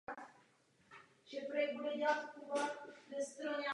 V době komunistického režimu publikoval v samizdatu.